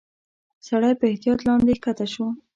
سړی په احتياط لاندي کښته شو.